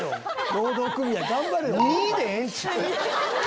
労働組合頑張れよ。